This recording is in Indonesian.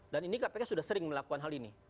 ini kpk sudah sering melakukan hal ini